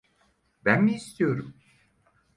Ben mi istiyorum?